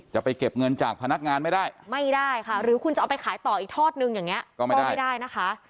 จะไปเก็บเงินจากพนักงานไม่ได้ไม่ได้ค่ะหรือคุณจะเอาไปขายต่ออีกทอดนึงอย่างนี้ก็ไม่ได้นะคะ